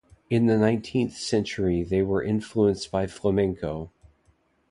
In the nineteenth century they were influenced by Flamenco.